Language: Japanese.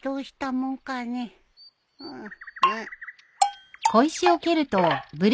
うん？